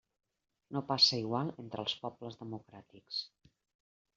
No passa igual entre els pobles democràtics.